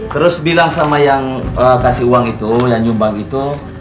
terus bilang sama yang kasih uang itu yang nyumbang itu